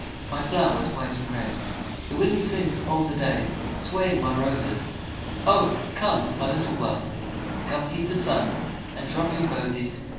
My flowers white and red." The wind sings all the day Swaying my roses, " Oh 1 come, my little one I Come, heed the sun And drop your posies